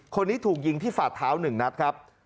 คนนี้ถูกยิงที่ฝาดเท้า๑นัดครับ